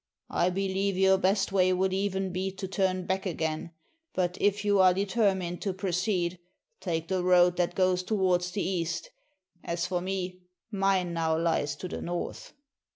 I believe your best way would even be to turn back again, but if you are determined to proceed take the road that goes towards the east, as for me mine now lies to the north."